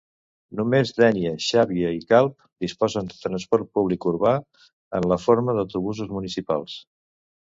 Només Dénia, Xàbia i Calp disposen de transport públic urbà, en la forma d'autobusos municipals.